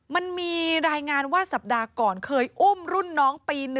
มันมีรายงานว่าสัปดาห์ก่อนเคยอุ้มรุ่นน้องปี๑